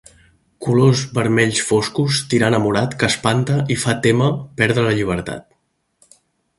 Colors vermells foscos tirant a morat que espanta i fa témer perdre la llibertat.